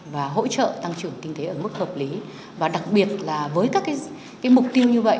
và hỗ trợ tăng trưởng kinh tế ở mức hợp lý và đặc biệt là với các cái mục tiêu như vậy